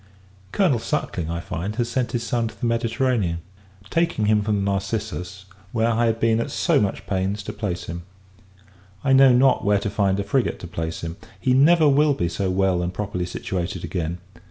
Colonel Suckling, I find, has sent his son to the Mediterranean; taking him from the Narcissus, where I had been at so much pains to place him. I know not where to find a frigate to place him. He never will be so well and properly situated again.